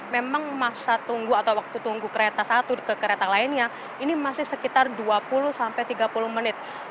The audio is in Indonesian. memang masa tunggu atau waktu tunggu kereta satu ke kereta lainnya ini masih sekitar dua puluh sampai tiga puluh menit